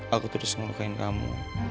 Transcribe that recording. aku terus ngerukain kamu